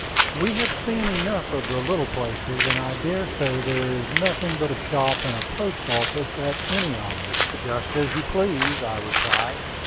"We have seen enough of the little places, and I dare say there is nothing but a shop and a post office at any of them." "Just as you please," I replied.